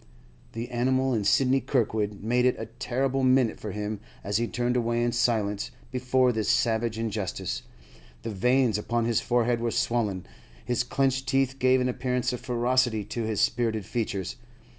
The animal in Sidney Kirkwood made it a terrible minute for him as he turned away in silence before this savage injustice. The veins upon his forehead were swollen; his clenched teeth gave an appearance of ferocity to his spirited features.